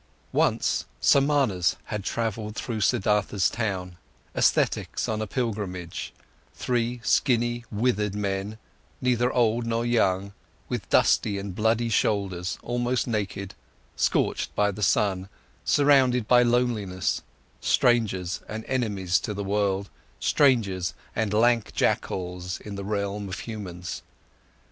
Once, Samanas had travelled through Siddhartha's town, ascetics on a pilgrimage, three skinny, withered men, neither old nor young, with dusty and bloody shoulders, almost naked, scorched by the sun, surrounded by loneliness, strangers and enemies to the world, strangers and lank jackals in the realm of humans.